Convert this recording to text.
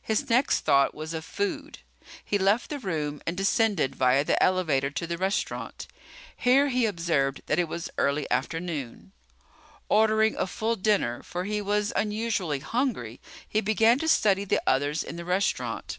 His next thought was of food. He left the room and descended via the elevator to the restaurant. Here he observed that it was early afternoon. Ordering a full dinner, for he was unusually hungry, he began to study the others in the restaurant.